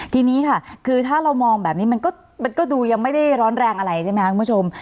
ทีนี้ค่ะคือถ้าเรามองแบบนี้มันก็ดูยังไม่ได้ร้อนแรงอะไรใช่ไหมครับคุณผู้ชม